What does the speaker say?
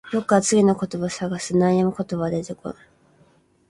僕は次の言葉を探す。何も言葉は出てこない。